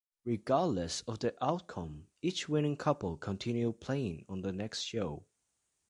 Regardless of the outcome, each winning couple continued playing on the next show.